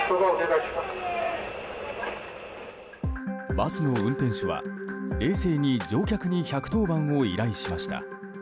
バスの運転手は冷静に乗客に１１０番を依頼しました。